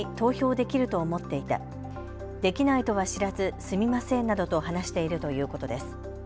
できないとは知らずすみませんなどと話しているということです。